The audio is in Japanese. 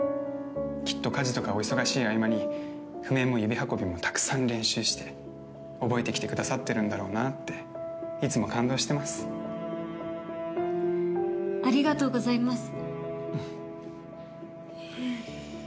きっと家事とかお忙しい合間に譜面も指運びもたくさん練習して覚えてきてくださってるんだろうなってありがとうございます。